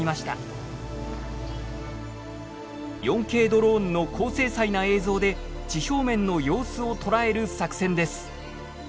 ４Ｋドローンの高精細な映像で地表面の様子を捉える作戦です。